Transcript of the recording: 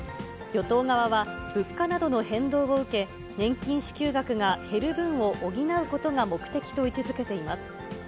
与党側は、物価などの変動を受け、年金支給額が減る分を補うことが目的と位置づけています。